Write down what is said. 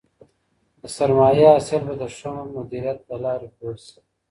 د سرمايې حاصل به د ښه مديريت له لاري لوړ سي.